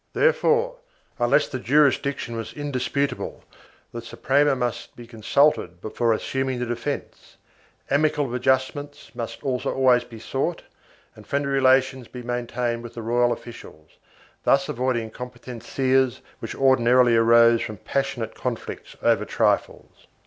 Therefore, unless the jurisdiction was indisputable, the Suprema must be consulted before assuming the defence, amicable adjustments must always be sought and friendly relations be maintained with the royal officials, thus avoiding competencias which ordinarily arose from passionate conflicts over trifles.